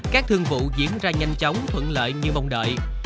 các thương vụ diễn ra nhanh chóng thuận lợi như mong đợi